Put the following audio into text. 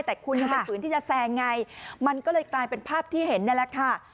แต่คุณยังเป็นฝืนที่จะแซงไงมันก็เลยกลายเป็นภาพที่เห็นนี่แหละค่ะ